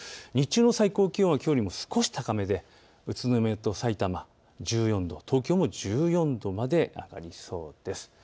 日中の最高気温はきょうより少し高めで宇都宮とさいたま１４度、東京も１４度まで上がりそうです。